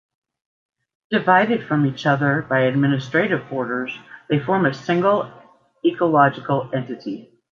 Divided from each other by administrative borders, they form a single ecological entity.